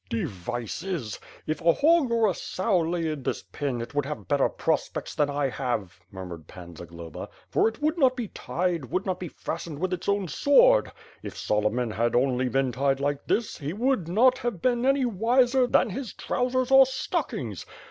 "Devices ....! If a hog or a sow lay in this pen, it would have better prospects than I have," murmured Pan Zagloba, "for it would not be tied, would not be fastened with its own sword. If Solomon had only been tied like this, he would not have been any wiser than his trousers or stockings.